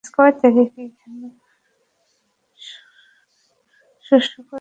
এখানে শূশু করে দাও।